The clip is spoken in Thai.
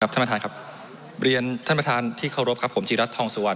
ท่านประธานครับเรียนท่านประธานที่เคารพครับผมจีรัฐทองสุวรร